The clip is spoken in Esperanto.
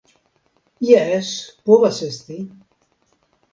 Jes, povas esti.